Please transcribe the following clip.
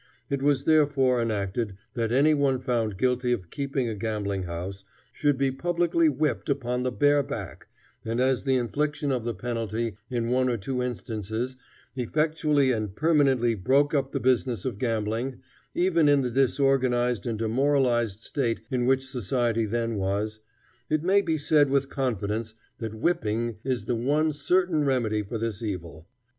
It was therefore enacted that any one found guilty of keeping a gambling house should be publicly whipped upon the bare back, and as the infliction of the penalty in one or two instances effectually and permanently broke up the business of gambling, even in the disorganized and demoralized state in which society then was, it may be said with confidence that whipping is the one certain remedy for this evil.